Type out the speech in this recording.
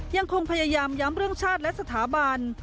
ยังคงพยายามย้ำเรื่องชาติและสถาบัน